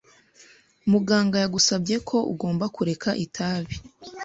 Muganga yagusabye ko ugomba kureka itabi.